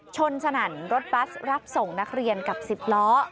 สนั่นรถบัสรับส่งนักเรียนกับ๑๐ล้อ